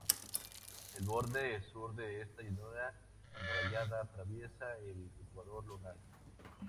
El borde sur de esta llanura amurallada atraviesa el ecuador lunar.